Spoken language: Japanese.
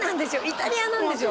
イタリアなんですよ